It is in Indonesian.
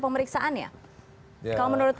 pemeriksaannya kalau menurut